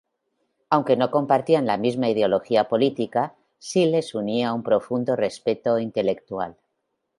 Aunque no compartían la misma ideología política, sí los unía un profundo respeto intelectual.